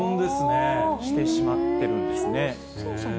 してしまってるんですね。